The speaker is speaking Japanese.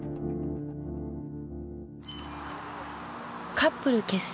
カップル結成